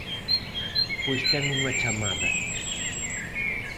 Pois ten unha chamada.